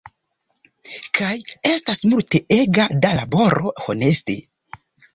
Kaj estas multe ega da laboro, honeste.